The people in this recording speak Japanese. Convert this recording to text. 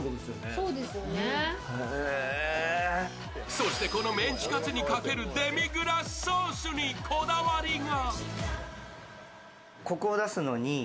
そしてこのメンチカツにかけるデミグラスソースにこだわりが。